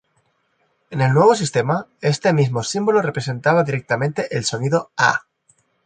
En el nuevo sistema, este mismo símbolo representaba directamente el sonido "a".